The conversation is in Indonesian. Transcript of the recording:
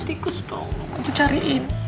tikus dong aku cariin